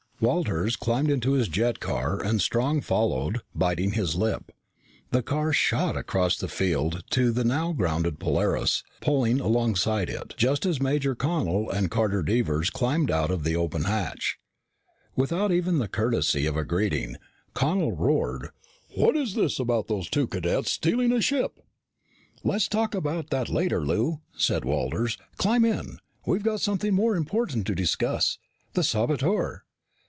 Walters climbed into his jet car and Strong followed, biting his lip. The car shot across the field to the now grounded Polaris, pulling alongside it just as Major Connel and Carter Devers climbed out of the open hatch. Without even the courtesy of a greeting, Connel roared, "What's this about those two cadets stealing a ship?" "Let's talk about that later, Lou," said Walters. "Climb in. We've got something more important to discuss. The saboteur."